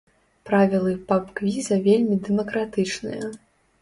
Правілы паб-квіза вельмі дэмакратычныя.